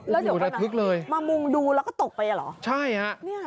แล้วเดี๋ยวก่อนนะมามุงดูแล้วก็ตกไปเหรอใช่น่ะนี่น่ะ